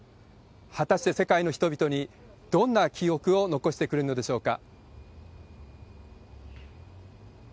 果たして世界の人々にどんな記憶を残してくれるのでしょうか。